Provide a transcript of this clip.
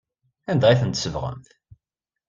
Anda ay tent-tsebɣemt?